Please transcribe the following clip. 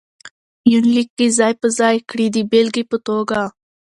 يونليک کې ځاى په ځاى کړي د بېلګې په توګه: